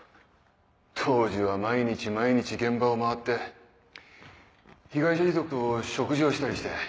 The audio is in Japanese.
当時は毎日毎日現場を回って被害者遺族と食事をしたりして。